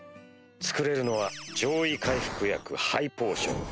作れるのは上位回復薬ハイポーション。